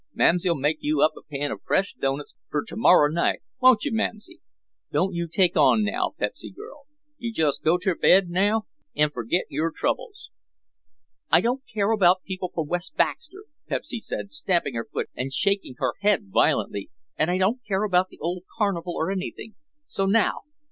Mamsy'll make you up a pan of fresh doughnuts fer to morrer night, won't you, Mamsy? Don't you take on now, Pepsy girl; you jes' go ter bed n' ferget yer troubles." "I don't care about people from West Baxter," Pepsy said, stamping her foot and shaking her head violently, "and I don't care about the old carnival or anything—so now.